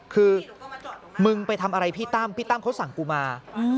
คือมึงไปทำอะไรพี่ตั้มพี่ตั้มเขาสั่งกูมา